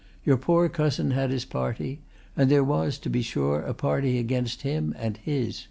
Your poor cousin had his party and there was, to be sure, a party against him and his.